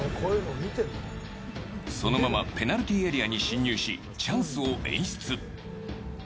そのままペナルティーエリアに進入しチャンスを演出。